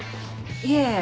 いえ